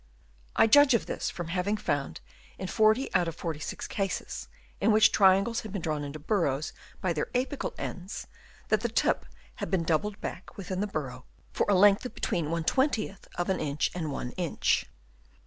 I judge of this from having found in 40 out of 46 cases in which tri angles had been drawn into burrows by their apical ends, that the tip had been doubled back within the burrow for a length of between ^th °f an i ncn an( i 1 inch.